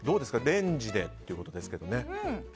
レンジでということですが。